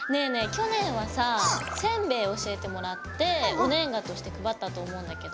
去年はさぁせんべい教えてもらってお年賀として配ったと思うんだけど。